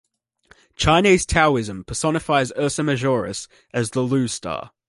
Chinese Taoism personifies Ursa Majoris as the Lu star.